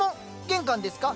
玄関ですか？